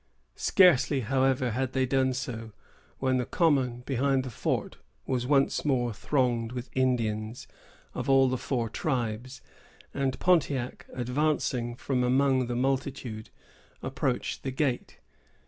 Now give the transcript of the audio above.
Scarcely, however, had they done so, when the common behind the fort was once more thronged with Indians of all the four tribes; and Pontiac, advancing from among the multitude, approached the gate.